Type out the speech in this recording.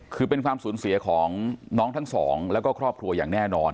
คือเป็นความสูญเสียของน้องทั้งสองแล้วก็ครอบครัวอย่างแน่นอน